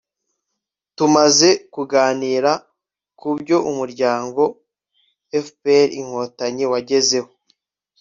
tumaze kuganira kubyo umuryango fpr-inkotanyi wagezeho